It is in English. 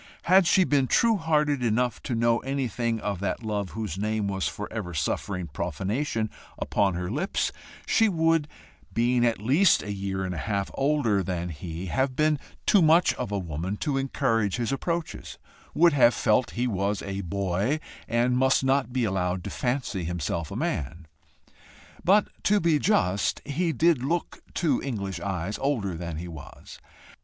Had she been true hearted enough to know anything of that love whose name was for ever suffering profanation upon her lips, she would, being at least a year and a half older than he, have been too much of a woman to encourage his approaches would have felt he was a boy and must not be allowed to fancy himself a man. But to be just, he did look to English eyes older than he was.